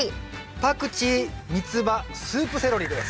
パクチーミツバスープセロリです。